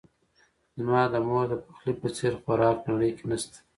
زما د مور دپخلی په څیر خوراک نړۍ کې نه شته